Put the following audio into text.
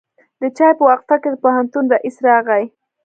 د چای په وقفه کې د پوهنتون رئیس راغی.